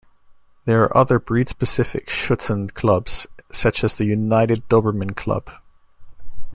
There are other breed specific Schutzhund clubs such as the United Doberman Club.